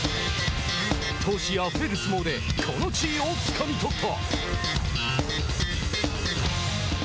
闘志あふれる相撲でこの地位をつかみ取った。